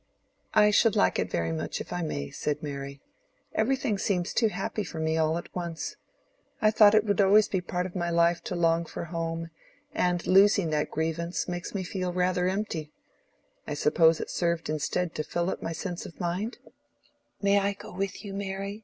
"I should like it very much, if I may," said Mary. "Everything seems too happy for me all at once. I thought it would always be part of my life to long for home, and losing that grievance makes me feel rather empty: I suppose it served instead of sense to fill up my mind?" "May I go with you, Mary?"